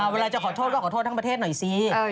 เวลาจะขอโทษก็ขอโทษทั้งประเทศหน่อยสิ